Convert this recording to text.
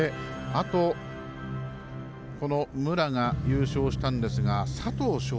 あと武良が優勝したんですが佐藤翔